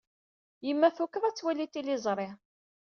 Yemma tukeḍ ad twali tiliẓri.